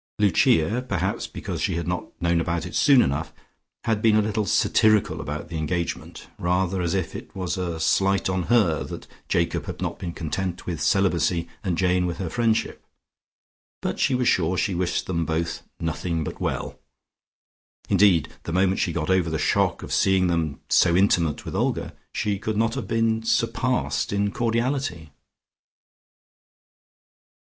Lucia (perhaps because she had not known about it soon enough) had been a little satirical about the engagement, rather as if it was a slight on her that Jacob had not been content with celibacy and Jane with her friendship, but she was sure she wished them both "nothing but well." Indeed the moment she got over the shock of seeing them so intimate with Olga, she could not have been surpassed in cordiality.